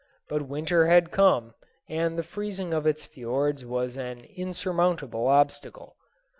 But winter had come, and the freezing of its fiords was an insurmountable obstacle.